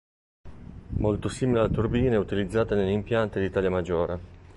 Molto simile alle turbine utilizzate negli impianti di taglia maggiore.